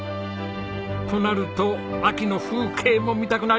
となると秋の風景も見たくなりますよ。